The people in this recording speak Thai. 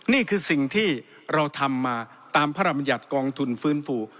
นี่คือสิ่งที่เราทำมาตามพระรำยัติกองทุนฟื้นฟู